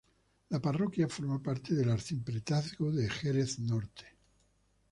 La parroquia forma parte del Arciprestazgo de Jerez Norte.